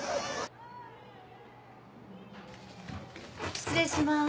失礼します。